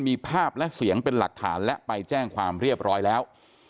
มีภาพและเสียงเป็นหลักฐานและไปแจ้งความเรียบร้อยแล้ว